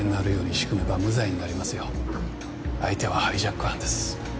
相手はハイジャック犯です。